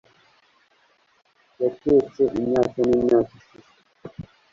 yatetse imyaka n'imyaka ishize